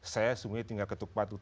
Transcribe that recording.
saya sebenarnya tinggal ketuk patuh